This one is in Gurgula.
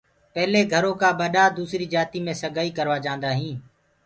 پيلي گھرو ڪآ ٻڏآ سگائي دوسري جآتي مي سگائي ڪروآ جاندآ هينٚ۔